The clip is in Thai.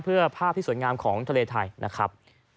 เพื่อภาพที่สวยงามของทะเลไทยนะครับ